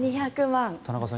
田中さん